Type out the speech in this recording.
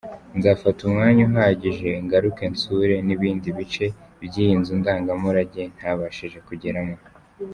Nzafata umwanya uhagije ngaruke nsure n’ibindi bice by’iyi nzu ndangamurage ntabashije kugeramo".